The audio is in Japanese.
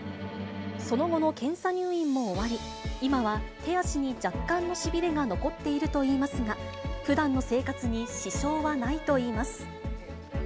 その後の検査入院も終わり、今は手足に若干のしびれが残っているといいますが、ふだんの生活に支障はないといいます。